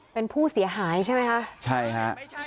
เป็นผู้เสียหายใช่ไหมคะใช่ค่ะ